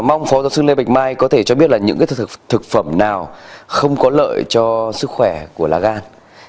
mong phó giáo sư lê bạch mai có thể cho biết là những thực phẩm nào không có lợi cho sức khỏe của lá gan